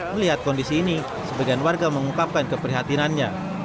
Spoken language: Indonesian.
melihat kondisi ini sebagian warga mengungkapkan keprihatinannya